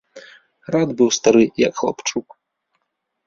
Рад быў стары, як хлапчук.